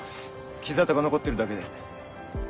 傷痕が残ってるだけで。